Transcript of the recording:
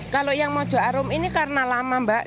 kalau yang mojo arum ini karena lama mbak